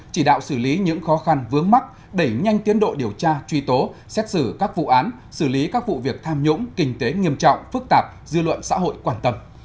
chỉ đạo xử lý những khó khăn vướng mắt đẩy nhanh tiến độ điều tra truy tố xét xử các vụ án xử lý các vụ việc tham nhũng kinh tế nghiêm trọng phức tạp dư luận xã hội quan tâm